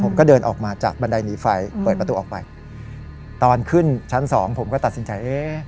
ผมก็เดินออกมาจากบันไดหนีไฟเปิดประตูออกไปตอนขึ้นชั้นสองผมก็ตัดสินใจเอ๊ะ